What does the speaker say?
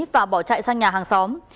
và bỏ chạy sang nhà hàng xóm